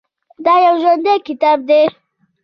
دا یو ژوندی کتاب دی.